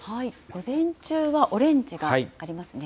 午前中はオレンジがありますね。